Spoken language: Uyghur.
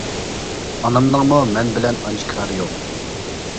ئانامنىڭمۇ مەن بىلەن ئانچە كارى يوق.